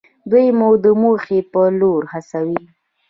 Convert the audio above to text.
دوی مو د موخې په لور هڅوي.